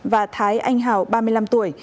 và thái anh hào ba mươi năm tuổi